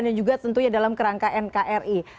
dan juga tentunya dalam kerangka nkri